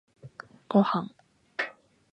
ごはん